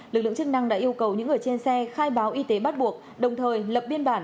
lực lượng chức năng đã yêu cầu những người trên xe khai báo y tế bắt buộc đồng thời lập biên bản